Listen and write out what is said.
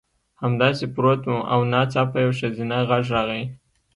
همداسې پروت وم او ناڅاپه یو ښځینه غږ راغی